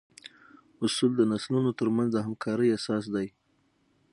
اصول د نسلونو تر منځ د همکارۍ اساس دي.